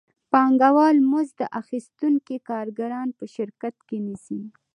پانګوال مزد اخیستونکي کارګران په شرکت کې نیسي